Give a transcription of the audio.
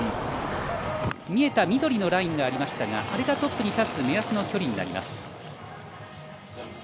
見えた緑のラインがありましたがあれがトップに立つ目安の距離になります。